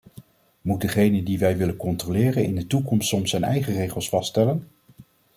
Moet degene die wij willen controleren in de toekomst soms zijn eigen regels vaststellen?